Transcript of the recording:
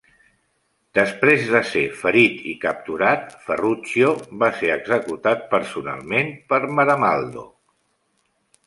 Després de ser ferit i capturat, Ferruccio va ser executat personalment per Maramaldo.